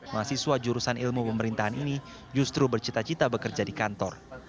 mahasiswa jurusan ilmu pemerintahan ini justru bercita cita bekerja di kantor